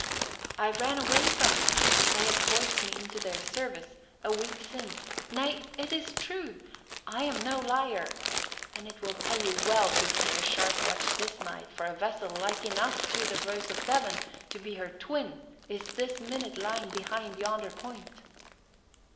"I ran away from them they had forced me into their service! a week since. Nay, it is true! I am no liar! And it will pay you well to keep a sharp watch this night, for a vessel like enough to the Rose of Devon to be her twin is this minute lying behind yonder point."